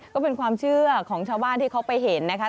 ก็เป็นความเชื่อของชาวบ้านที่เขาไปเห็นนะคะ